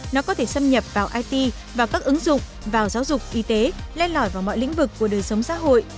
nó có thể xâm nhập vào it vào các ứng dụng vào giáo dục y tế lên lỏi vào mọi lĩnh vực của đời sống xã hội